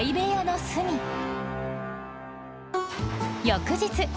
翌日。